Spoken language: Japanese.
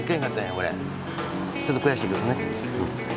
ちょっと悔しいけどね。